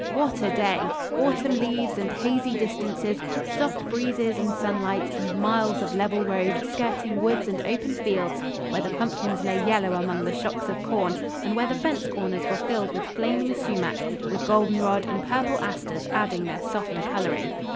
What a day! Autumn leaves and hazy distances, soft breezes and sunlight, and miles of level road skirting woods and open fields where the pumpkins lay yellow among the shocks of corn, and where the fence corners were filled with flaming sumac, with goldenrod and purple asters adding their softer coloring.